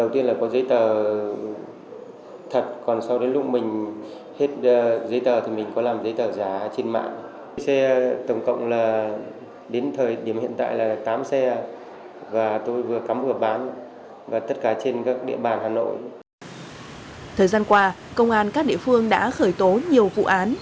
thời gian qua công an các địa phương đã khởi tố nhiều vụ án